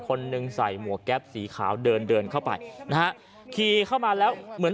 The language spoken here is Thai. คนหนึ่งใส่หมวกแก๊ปสีขาวเดินเดินเข้าไปนะฮะขี่เข้ามาแล้วเหมือน